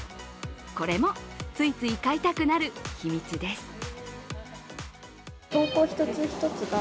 これも、ついつい買いたくなる秘密です。